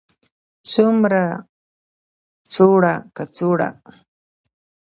څومره, څوړه، کڅوړه